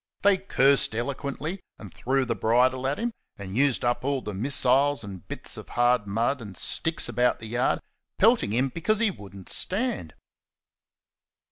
They cursed eloquently, and threw the bridle at him, and used up all the missiles and bits of hard mud and sticks about the yard, pelting him because he would n't stand.